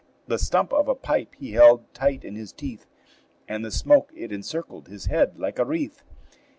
The stump of a pipe he held tight in his teeth, And the smoke it encircled his head like a wreath.